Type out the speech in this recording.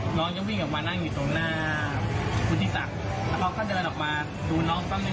ก็น้องยังวิ่งออกมานั่งอยู่ตรงหน้าภูติศักดิ์แล้วพอเขาเดินออกมาดูน้องซักนิด